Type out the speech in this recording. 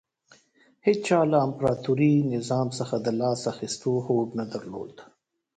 هېچا له امپراتوري نظام څخه د لاس اخیستو هوډ نه درلود